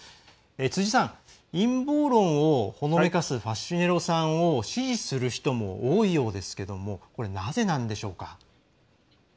辻さん、陰謀論をほのめかすファシネロさんを支持する人も多いようですけれどこれ、なぜなんでしょうか？